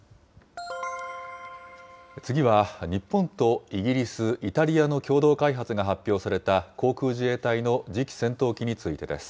次は、日本とイギリス、イタリアの共同開発が発表された、航空自衛隊の次期戦闘機についてです。